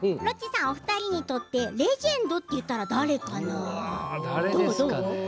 お二人にとってレジェンドっていったら誰かな？